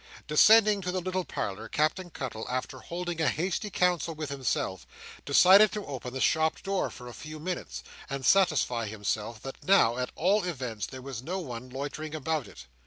Descending to the little parlour, Captain Cuttle, after holding a hasty council with himself, decided to open the shop door for a few minutes, and satisfy himself that now, at all events, there was no one loitering about it.